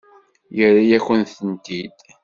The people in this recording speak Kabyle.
Yerra-yakent-tent-id.